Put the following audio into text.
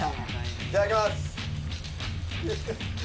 いただきます